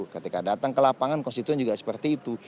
ketika datang ke lapangan konstituen juga seperti itu